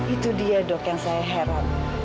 itu dia dok yang saya heran